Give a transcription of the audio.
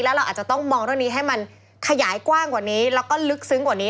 เราอาจจะต้องมองเรื่องนี้ให้มันขยายกว้างกว่านี้แล้วก็ลึกซึ้งกว่านี้